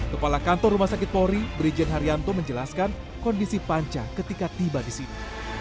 kepala kantor rumah sakit polri brigjen haryanto menjelaskan kondisi panca ketika tiba di sini